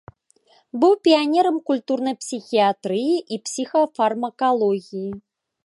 Быў піянерам культурнай псіхіятрыі і псіхафармакалогіі.